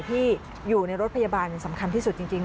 ที่อยู่ในรถพยาบาลสำคัญที่สุดจริง